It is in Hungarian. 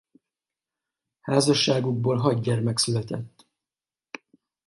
Házasságukból hat gyermek született.